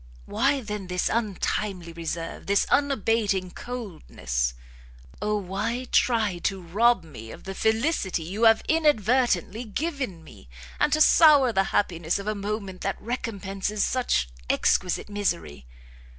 why, then, this untimely reserve? this unabating coldness? Oh why try to rob me of the felicity you have inadvertently given me! and to sour the happiness of a moment that recompenses such exquisite misery!"